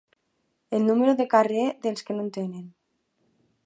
El número de carrer dels que no en tenen.